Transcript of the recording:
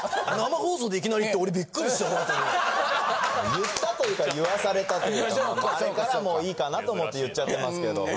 言ったというか言わされたというかあれからもういいかなと思って言っちゃってますけど。